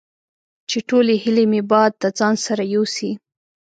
چې ټولې هیلې مې باد د ځان سره یوسي